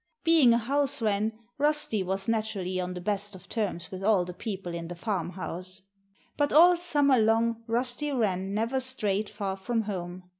Being a house wren, Rusty was naturally on the best of terms with all the people in the farmhouse. But all summer long Rusty Wren never strayed far from home.